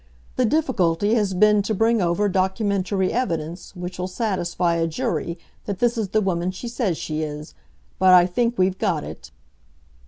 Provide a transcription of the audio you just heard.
The difficulty has been to bring over documentary evidence which will satisfy a jury that this is the woman she says she is. But I think we've got it."